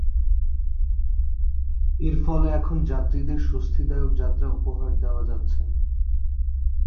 এর ফলে এখন যাত্রীদের স্বস্তিদায়ক যাত্রা উপহার দেওয়া যাচ্ছে না।